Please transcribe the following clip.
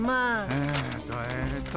えっとえっと